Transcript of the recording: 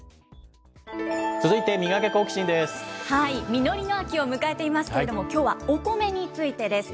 実りの秋を迎えていますけれども、きょうはお米についてです。